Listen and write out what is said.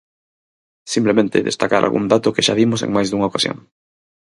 Simplemente destacar algún dato que xa dimos en máis dunha ocasión.